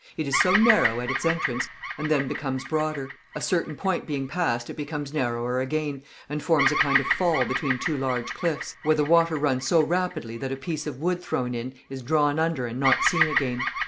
It is so narrow at its entrance and then becomes broader. A certain point being passed it becomes narrower again, and forms a kind of fall between two large cliffs, where the water runs so rapidly that a piece of wood thrown in is drawn under and not seen again.